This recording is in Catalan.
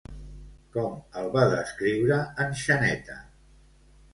Com el va descriure en Xaneta?